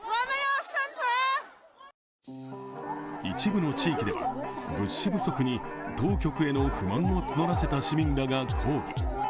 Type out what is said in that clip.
一部の地域では物資不足に当局への不満を募らせた市民らが抗議。